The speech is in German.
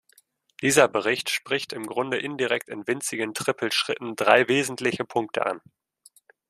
Dieser Bericht spricht im Grunde indirekt in winzigen Trippelschritten drei wesentliche Punkte an.